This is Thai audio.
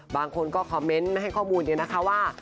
บางคนก็คอมเมนต์ให้ข้อมูลเองนะคะว่า